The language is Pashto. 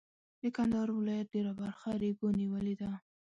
د کندهار ولایت ډېره برخه ریګو نیولې ده.